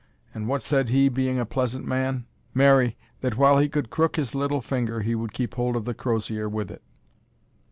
And what said he, being a pleasant man? marry, that while he could crook his little finger he would keep hold of the crosier with it."